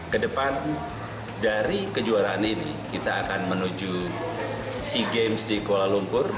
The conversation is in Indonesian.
kedepan dari kejuaraan ini kita akan menuju sea games di kuala lumpur